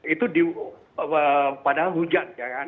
itu padahal hujan ya kan